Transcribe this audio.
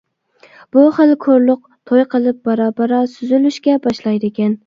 بۇ خىل كورلۇق توي قىلىپ بارا-بارا سۈزۈلۈشكە باشلايدىكەن.